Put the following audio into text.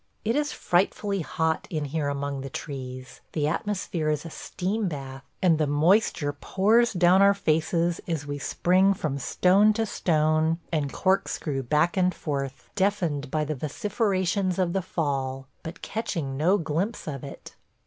It is frightfully hot in here among the trees. The atmosphere is a steam bath, and the moisture pours down our faces as we spring from stone to stone and corkscrew back and forth, deafened by the vociferations of the fall, but catching no glimpse of it.